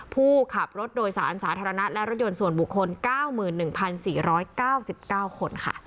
ผู้ขับรถโดยสารสาธารณะและรถยนต์ส่วนบุคคลเก้าหมื่นหนึ่งพันสี่ร้อยเก้าสิบเก้าคนค่ะ